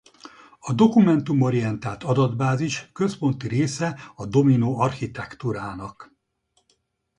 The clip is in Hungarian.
A dokumentum-orientált adatbázis központi része a Domino architektúrának.